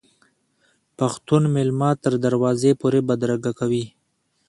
پښتون میلمه تر دروازې پورې بدرګه کوي.